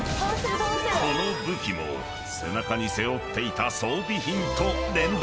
［この武器も背中に背負っていた装備品と連動］